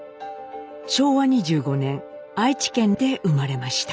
昭和２５年愛知県で生まれました。